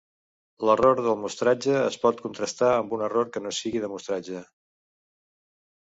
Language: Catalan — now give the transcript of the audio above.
L'error de mostratge es pot contrastar amb un error que no sigui de mostratge.